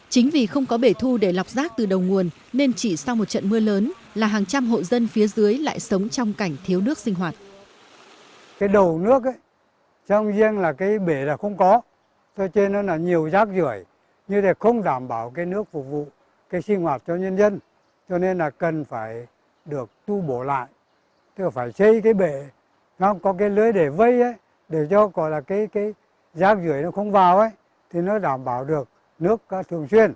chính vì không có bể thu để lọc rác từ đầu nguồn nên chỉ sau một trận mưa lớn là hàng trăm hộ dân phía dưới lại sống trong cảnh thiếu nước sinh hoạt